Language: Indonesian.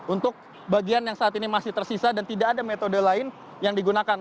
untuk bagian yang saat ini masih tersisa dan tidak ada metode lain yang digunakan